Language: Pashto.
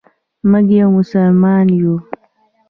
موږ یو مسلمان یو.